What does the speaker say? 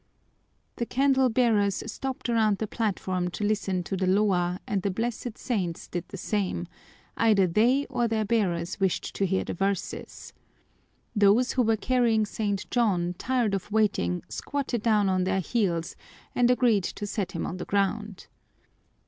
The candle bearers stopped around the platform to listen to the loa and the blessed saints did the same; either they or their bearers wished to hear the verses. Those who were carrying St. John, tired of waiting, squatted down on their heels and agreed to set him on the ground.